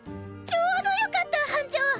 ちょうどよかった班長！